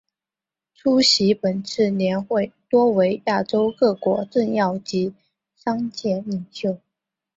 出席本次年会多为亚洲各国政要及商界领袖。